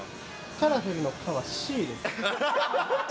カラフルの「カ」はＣです。